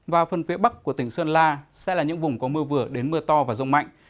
và phân phía bắc của tỉnh sơn la sẽ là những vùng có mưa vừa đến mưa to và rông mạnh